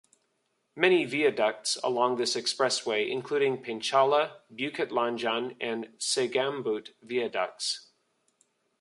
Many viaducts along this expressway including Penchala, Bukit Lanjan and Segambut viaducts.